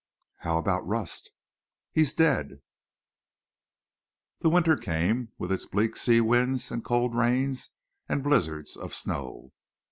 "How about—Rust?" "He's dead." The winter came, with its bleak sea winds and cold rains and blizzards of snow.